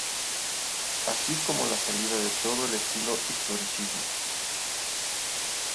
Así como la salida de todo el estilo historicismo.